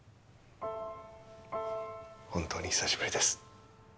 本当に久しぶりです。